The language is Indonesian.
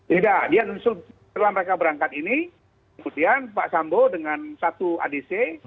tidak dia setelah mereka berangkat ini kemudian pak sambo dengan satu adc